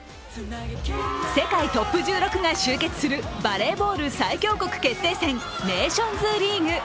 世界トップ１６が集結するバレーボール最強国決定戦・ネーションズリーグ。